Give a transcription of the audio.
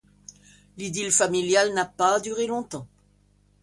L'idylle familiale n'a pas duré longtemps.